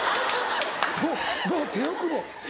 もうもう手遅れ。